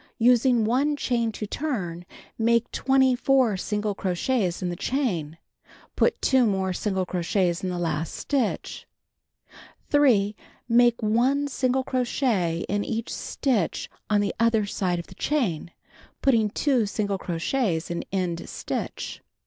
Using 1 chain to turn, make 24 single crochets in the chain. Put 2 more single crochets in the last stitch. 3. Make 1 single crochet in each stitch on the other side of the chain, putting 2 single crochets in end stitch.